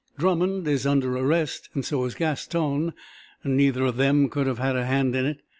Drummond is under arrest, and so is Gaston. Neither of them could have had a hand in it.